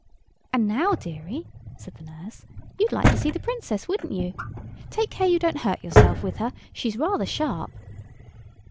"And now, dearie," said the nurse, "you'd like to see the Princess, wouldn't you? Take care you don't hurt yourself with her. She's rather sharp."